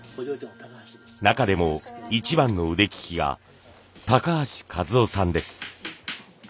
中でも一番の腕利きが高橋和男さんです。